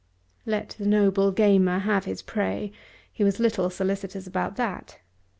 Let the noble gambler have his prey. He was little solicitous about that.